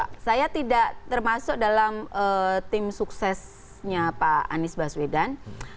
ya saya tidak termasuk dalam tim suksesnya pak anies baswedan